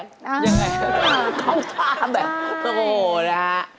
อย่างไรครับเขาท่าแบบโอ๊ยนะครับ